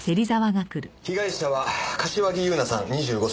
被害者は柏木優奈さん２５歳。